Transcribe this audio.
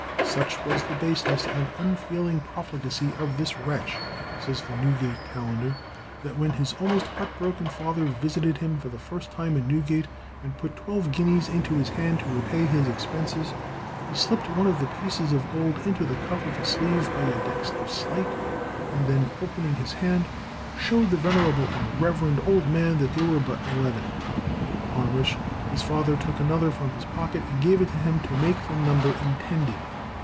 "Such was the baseness and unfeeling profligacy of this wretch," says the Newgate Calendar, "that when his almost heart broken father visited him for the last time in Newgate, and put twelve guineas into his hand to repay his expenses, he slipped one of the pieces of gold into the cuff of his sleeve by a dexterous sleight, and then opening his hand, showed the venerable and reverend old man that there were but eleven; upon which his father took another from his pocket and gave it him to make the number intended.